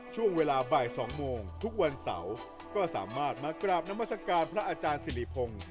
ช่วงเวลาบ่าย๒โมงทุกวันเสาร์ก็สามารถมากราบนามัศกาลพระอาจารย์สิริพงศ์